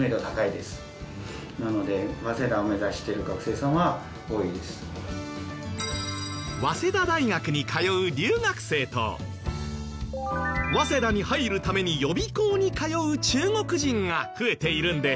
そうですね早稲田大学に通う留学生と早稲田に入るために予備校に通う中国人が増えているんです。